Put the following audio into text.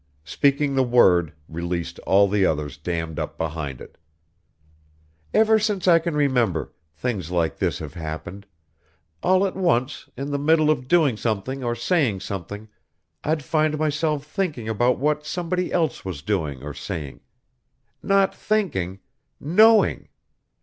Speaking the word released all the others dammed up behind it. "Ever since I can remember, things like this have happened all at once, in the middle of doing something or saying something, I'd find myself thinking about what somebody else was doing or saying. Not thinking knowing.